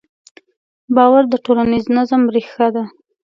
باور د ټولنیز نظم ریښه ده.